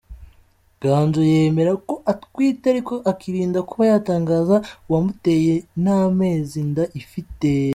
Ganzo yemera ko atwite ariko akirinda kuba yatangaza uwamuteye n’amezi inda ifite.